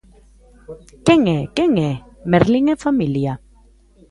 Que é, quen é, Merlín e familia?